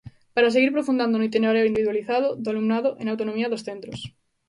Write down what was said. Para seguir profundando no itinerario individualizado do alumnado e na autonomía dos centros.